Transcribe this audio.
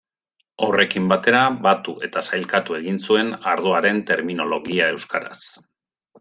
Horrekin batera, batu eta sailkatu egin zuen ardoaren terminologia euskaraz.